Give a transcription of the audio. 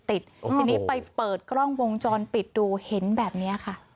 ทีนี้ไปเปิดกล้องวงจรปิดดูเห็นแบบนี้ค่ะ